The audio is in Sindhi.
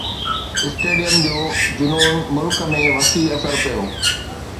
اسٽيڊيم جو جنون ملڪ ۾ وسيع اثر پيو